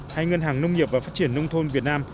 hay ngân hàng nông nghiệp và phát triển nông thôn việt nam